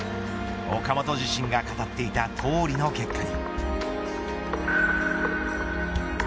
岡本自身が語っていたとおりの結果に。